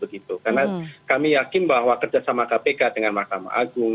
karena kami yakin bahwa kerjasama kpk dengan mahkamah agung